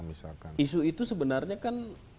isu itu sebenarnya kan